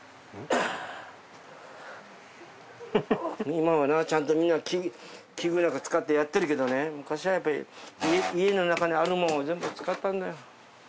今はちゃんとみんな器具なんか使ってやってるけどね昔はやっぱり家の中にあるもんを全部使ったんだよ。